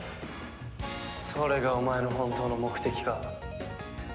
それがお前の本当の目的か。